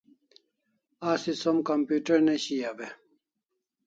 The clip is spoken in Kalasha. Asi som computer ne shiau e?